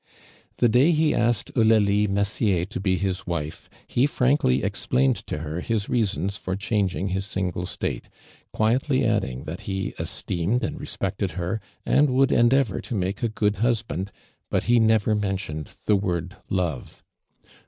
The day ho asked Eulalio Messier to be his wife, ho frankly explained to her his reasons for changing his single state, (juietly adding that he esteemed and respected her, anil woidd endeavor to make a good hus band, but he never mentioned the word love.